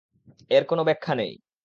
এর কোন ব্যাখ্যা নেই।